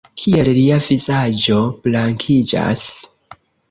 Kiel lia vizaĝo blankiĝas?